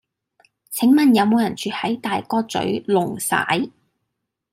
請問有無人住喺大角嘴瓏璽